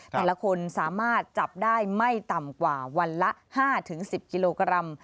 แต่ละคนสามารถจับได้ไม่ต่ำกว่าวันละ๕๑๐กิโลกรัม